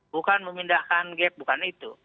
bukan memindahkan gap bukan itu